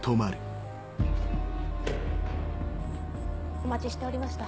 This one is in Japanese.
お待ちしておりました。